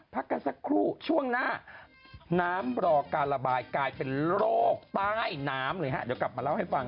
พักกันสักครู่ช่วงหน้าน้ำรอการระบายกลายเป็นโรคใต้น้ำเลยฮะเดี๋ยวกลับมาเล่าให้ฟัง